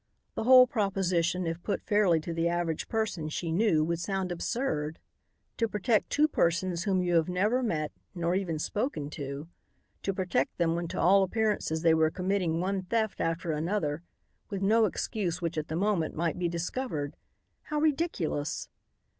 The whole proposition if put fairly to the average person, she knew, would sound absurd. To protect two persons whom you have never met nor even spoken to; to protect them when to all appearances they were committing one theft after another, with no excuse which at the moment might be discovered; how ridiculous!